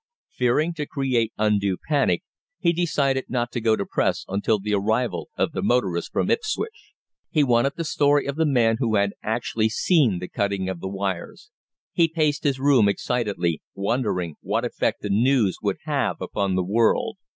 Fearing to create undue panic, he decided not to go to press until the arrival of the motorist from Ipswich. He wanted the story of the man who had actually seen the cutting of the wires. He paced his room excitedly, wondering what effect the news would have upon the world.